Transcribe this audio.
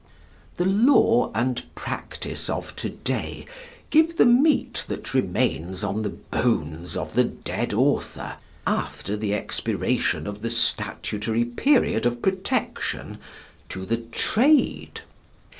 The law and practice of to day give the meat that remains on the bones of the dead author after the expiration of the statutory period of protection to the Trade.